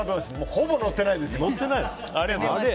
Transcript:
ほぼ乗ってないです。